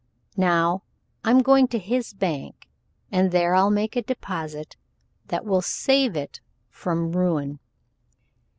Now I'm going to his bank, and there I'll make a deposit that will save it from ruin."